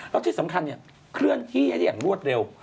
แล้วที่สำคัญเคลื่อนที่ให้ได้รวดเร็ว